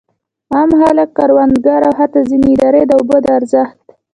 عام خلک، کروندګر او حتی ځینې ادارې د اوبو د ارزښت.